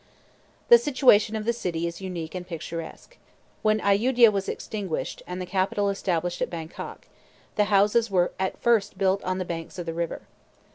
The situation of the city is unique and picturesque. When Ayudia was "extinguished," and the capital established at Bangkok, the houses were at first built on the banks of the river.